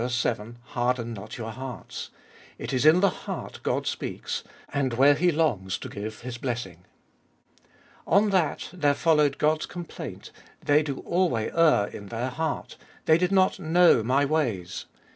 7), Harden not your hearts. It is in the heart God speaks, and where He longs to give His blessing. On that there followed God's complaint, " They do alway err in their heart ; they did not know my ways."